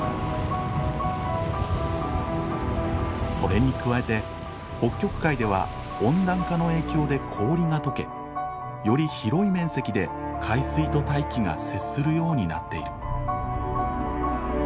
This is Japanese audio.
それに加えて北極海では温暖化の影響で氷が解けより広い面積で海水と大気が接するようになっている。